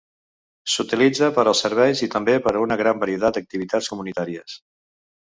S'utilitza per als serveis i també per a una gran varietat d'activitats comunitàries.